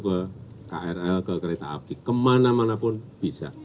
ke krl ke kereta api kemana mana pun bisa